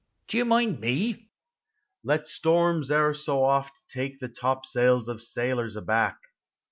do you mind me, " let storms e'er so oft Take the topsails of sailors aback.